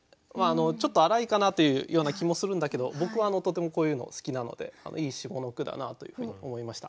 ちょっと粗いかなというような気もするんだけど僕はとてもこういうの好きなのでいい下の句だなというふうに思いました。